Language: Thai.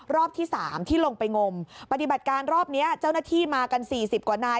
รอบที่๓ที่ลงไปงมปฏิบัติการรอบนี้เจ้าหน้าที่มากัน๔๐กว่านาย